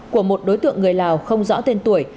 của một đối tượng người lào không rõ tên tuổi